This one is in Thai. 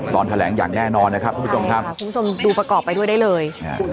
ตอนแถลงอย่างแน่นอนนะครับทุกผู้ชมครับคุณผู้ชมดูประกอบไปด้วยได้เลย